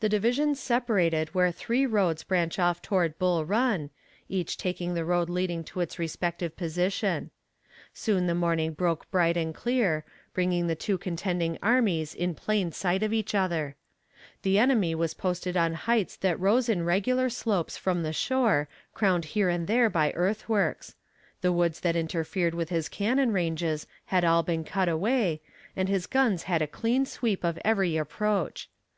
The divisions separated where three roads branch off toward Bull Run, each taking the road leading to its respective position. Soon the morning broke bright and clear, bringing the two contending armies in plain sight of each other. The enemy was posted on heights that rose in regular slopes from the shore crowned here and there by earthworks. The woods that interfered with his cannon ranges had all been cut away, and his guns had a clean sweep of every approach.